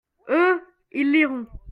eux, ils liront.